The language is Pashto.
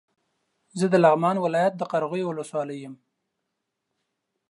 زه د لغمان ولايت د قرغيو ولسوالۍ يم